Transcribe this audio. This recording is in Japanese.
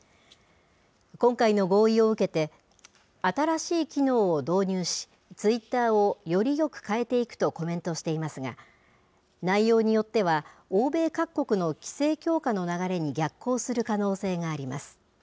今回の合意を受けて、新しい機能を導入し、ツイッターをよりよく変えていくとコメントしていますが、内容によっては、欧米各国の規制強化の流れに逆行する可能性があります。